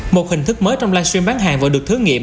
một hình thức mới trong live stream bán hàng vừa được thử nghiệm